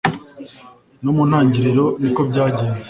no mu ntangiriro niko byagenze :